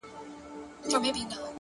اخلاص د باور تر ټولو قوي بنسټ دی؛